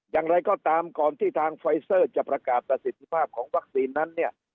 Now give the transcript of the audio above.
อย่างไรก็ตามก่อนที่ทางไฟเซอร์จะประกาศประสิทธิภาพของวัคซีนนั้นเนี่ย